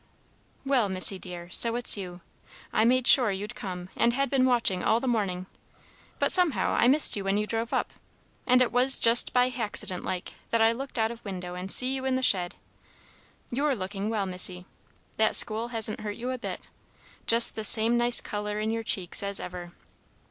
"Well, Missy, dear, so it's you. I made sure you'd come, and had been watching all the morning; but somehow I missed you when you drove up, and it was just by haccident like, that I looked out of window and see you in the shed. You're looking well, Missy. That school hasn't hurt you a bit. Just the same nice color in your cheeks as ever.